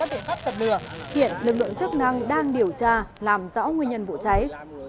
hiện lực lượng chức năng đang điều tra làm rõ nguyên nhân vụ cháy